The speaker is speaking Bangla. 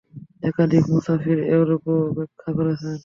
একাধিক মুফাসির এরূপও ব্যাখ্যা করেছেন।